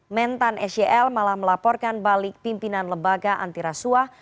mentan sel malah melaporkan balik pimpinan lembaga antirasuah